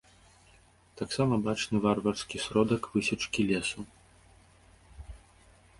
Таксама бачны варварскі сродак высечкі лесу.